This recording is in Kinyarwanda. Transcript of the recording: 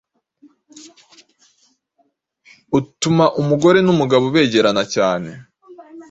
utuma umugore n’umugabo begerana cyane